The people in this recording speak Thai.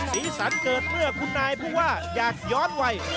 ศีรษรเกิดเมื่อคุณนายพูดว่าอยากย้อนไว